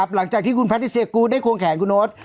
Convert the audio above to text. หลังจากที่คุณแพทิเซียกูธได้ควงแขนคุณโน๊ต